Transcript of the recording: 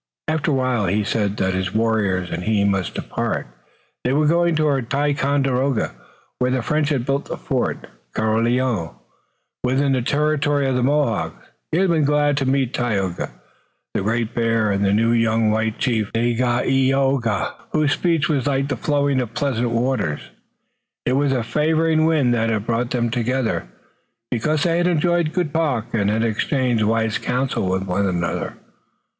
After a while he said that his warriors and he must depart. They were going toward Ticonderoga, where the French had built the fort, Carillon, within the territory of the Mohawks. He had been glad to meet Tayoga, the Great Bear, and the new young white chief, Dagaeoga, whose speech was like the flowing of pleasant waters. It was a favoring wind that had brought them together, because they had enjoyed good talk, and had exchanged wise counsel with one another.